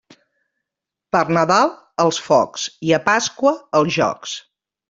Per Nadal els focs i a Pasqua els jocs.